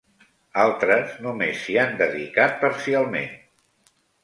Altres només s'hi han dedicat parcialment.